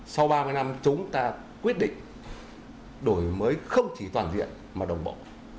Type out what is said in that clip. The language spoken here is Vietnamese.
sau ba mươi năm chúng ta quyết định đổi mới không chỉ toàn diện mà đồng bộ